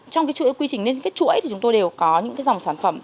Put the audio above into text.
trong cái chuỗi quy trình lên cái chuỗi thì chúng tôi đều có những cái dòng sản phẩm